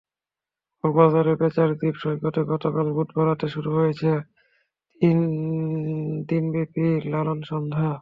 কক্সবাজারের প্যাঁচার দ্বীপ সৈকতে গতকাল বুধবার রাতে শুরু হয়েছে তিন দিনব্যাপী লালনসন্ধ্যা।